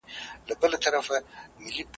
اسوېلي که دي ایستله څوک دي نه اوري آهونه `